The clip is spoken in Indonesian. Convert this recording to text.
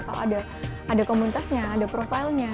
kalau ada komunitasnya ada profilnya